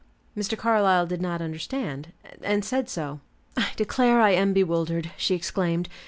Mr. Carlyle did not understand, and said so. "I declare I am bewildered," she exclaimed.